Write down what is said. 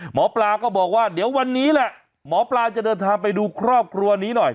หมอปลาก็บอกว่าเดี๋ยววันนี้แหละหมอปลาจะเดินทางไปดูครอบครัวนี้หน่อย